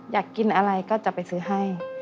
อยากกินอะไรก็จะไปซื้อให้